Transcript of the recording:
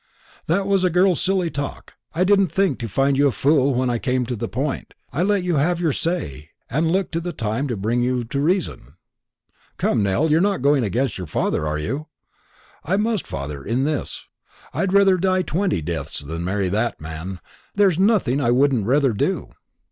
"That was a girl's silly talk. I didn't think to find you a fool when I came to the point. I let you have your say, and looked to time to bring you to reason. Come, Nell, you're not going against your father, are you?" "I must, father, in this. I'd rather die twenty deaths than marry that man. There's nothing I wouldn't rather do."